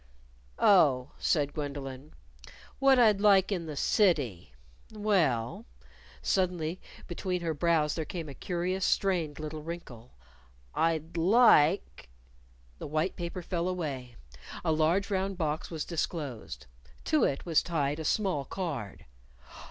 "Oh," said Gwendolyn. "What I'd like in the city. Well," suddenly between her brows there came a curious, strained little wrinkle "I'd like " The white paper fell away. A large, round box was disclosed. To it was tied a small card.